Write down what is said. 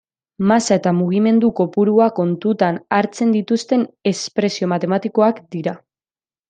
Masa eta mugimendu kopurua kontutan hartzen dituzten espresio matematikoak dira.